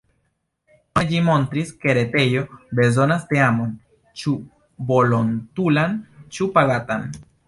Krome ĝi montris, ke retejo bezonas teamon, ĉu volontulan ĉu pagatan.